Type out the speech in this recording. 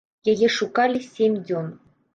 Яе шукалі сем дзён.